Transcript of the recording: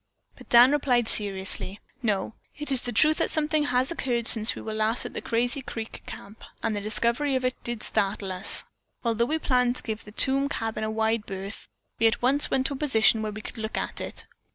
But Dan replied seriously, "No, it is the truth that something has occurred since we were last at the Crazy Creek Camp, and the discovery of it did startle us. Although we planned to give the tomb cabin a wide berth, we at once went to a position where we could look at it.